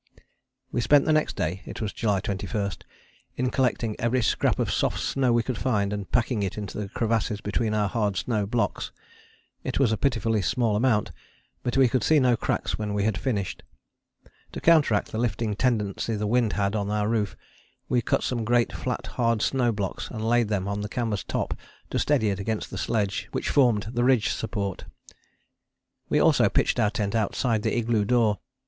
We spent the next day it was July 21 in collecting every scrap of soft snow we could find and packing it into the crevasses between our hard snow blocks. It was a pitifully small amount but we could see no cracks when we had finished. To counteract the lifting tendency the wind had on our roof we cut some great flat hard snow blocks and laid them on the canvas top to steady it against the sledge which formed the ridge support. We also pitched our tent outside the igloo door.